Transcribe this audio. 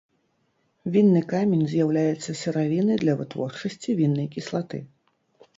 Вінны камень з'яўляецца сыравінай для вытворчасці віннай кіслаты.